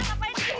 ngapain di sini